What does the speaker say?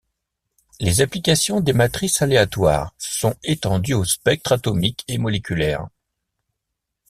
Les applications des matrices aléatoires se sont étendues aux spectres atomiques et moléculaires.